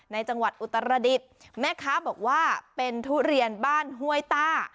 จังหวัดอุตรดิษฐ์แม่ค้าบอกว่าเป็นทุเรียนบ้านห้วยต้า